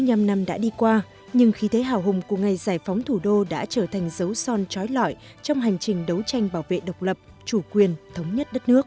sáu mươi năm năm đã đi qua nhưng khí thế hào hùng của ngày giải phóng thủ đô đã trở thành dấu son trói lõi trong hành trình đấu tranh bảo vệ độc lập chủ quyền thống nhất đất nước